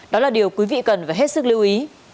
đó là điều quý vị cần phải hết sức lưu ý